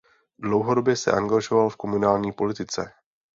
Dlouhodobě se angažoval v komunální politice.